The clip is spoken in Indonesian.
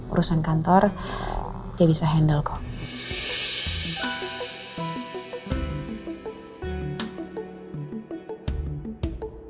urusan kantor dia bisa handle kok